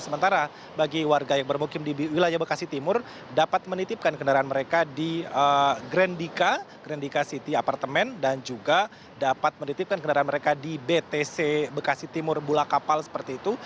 sementara bagi warga yang bermukim di wilayah bekasi timur dapat menitipkan kendaraan mereka di grandika grandika city apartemen dan juga dapat menitipkan kendaraan mereka di btc bekasi timur bula kapal seperti itu